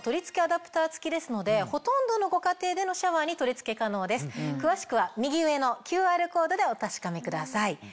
ですのでほとんどのご家庭でのシャワーに取り付け可能です詳しくは右上のＱＲコードでお確かめください。